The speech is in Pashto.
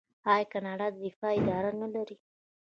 آیا کاناډا د دفاع اداره نلري؟